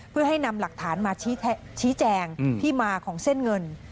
เพื่อให้นำหลักฐานมาชี้แจงที่มาของเส้นเงิน